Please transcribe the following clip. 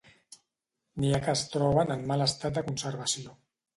N'hi ha que es troben en mal estat de conservació.